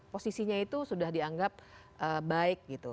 posisinya itu sudah dianggap baik gitu